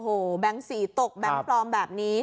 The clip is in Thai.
โหแบงค์สี่ตกแบงค์พรอมแบบนี้